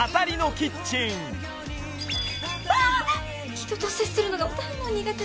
人と接するのがどうも苦手で」